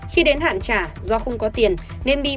khi đến hạn trả do không có tiền nên bi